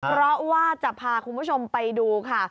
เพราะว่าจะพาคุณผู้ชมไปดูค่ะ